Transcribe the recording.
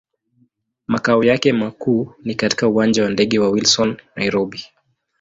Makao yake makuu ni katika Uwanja wa ndege wa Wilson, Nairobi.